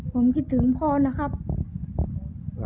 ผมคิดถึงพ่อนะครับ